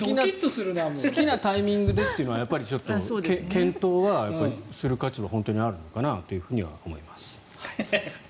でも好きなタイミングでというのはちょっと、検討をする価値はあるのかなと思います。